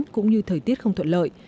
cũng như thời tiết không thuận lợi